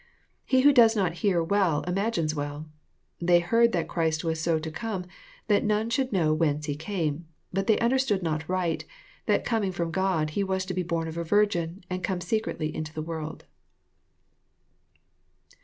He who does not hear well, imagines well. They heard that Christ was so to come, that none should know whence He came. But they understood not right, that comiug f^om God He was to be born of a virgin, and come secretly into the world."